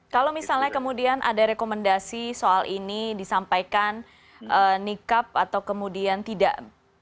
kalau misalnya kemudian ada rekomendasi soal ini disampaikan nikab atau kemudian tidak